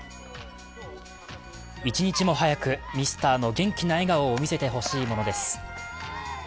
一日も早くミスターの元気な笑顔を見せてほしいものです。